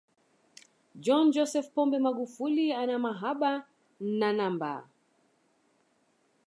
john joseph pombe magufuli ana mahaba na namba